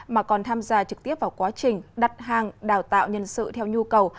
mà còn tham gia trực tiếp vào quá trình đặt hàng đào tạo nhân sự theo nhu cầu